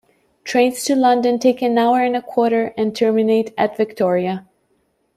Trains to London take an hour and a quarter and terminate at Victoria.